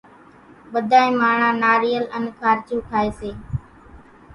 ٻڌانئين ماڻۿان ناريل انين خارچون کائي سي